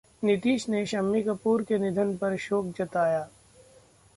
नीतीश ने शम्मी कपूर के निधन पर शोक जताया